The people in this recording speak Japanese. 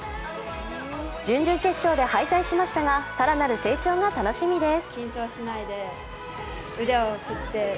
準々決勝で敗退しましたが更なる成長が楽しみです。